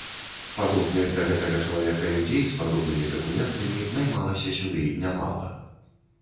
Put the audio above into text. Падобных да гэтага чалавека людзей з падобнымі дакументамі наймалася сюды нямала.